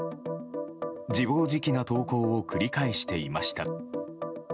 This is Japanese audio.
自暴自棄な投稿を繰り返していました。